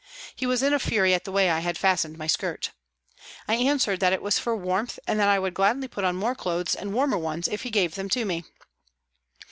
He was in a fury at the way I had fastened my skirt. I answered that it was for warmth and that I would gladly put on more clothes and warmer ones if he gave them to me.